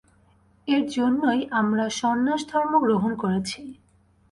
এর জন্যই আমরা সন্ন্যাসধর্ম গ্রহণ করেছি!